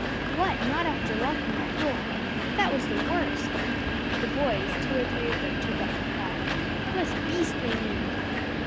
"What, not after locking that door! That was the worst." The boys, two or three of them, took up the cry, "'Twas beastly mean."